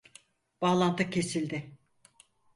Bağlantı kesildi.